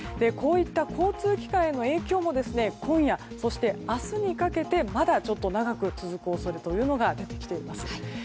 こういった交通機関への影響も今夜、そして明日にかけてまだ長く続く恐れが出てきています。